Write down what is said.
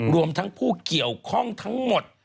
รวมทั้งผู้เกี่ยวข้องทั้งหมด